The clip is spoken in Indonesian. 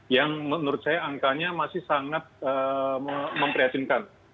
yang menurut saya angkanya masih sangat memprihatinkan